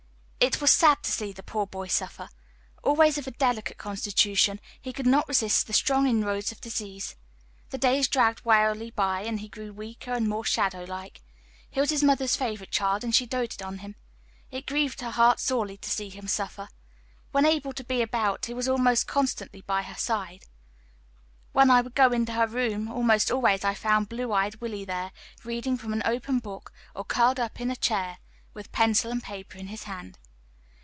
It was sad to see the poor boy suffer. Always of a delicate constitution, he could not resist the strong inroads of disease. The days dragged wearily by, and he grew weaker and more shadow like. He was his mother's favorite child, and she doted on him. It grieved her heart sorely to see him suffer. When able to be about, he was almost constantly by her side. When I would go in her room, almost always I found blue eyed Willie there, reading from an open book, or curled up in a chair with pencil and paper in hand.